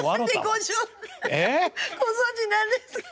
何でご存じなんですか？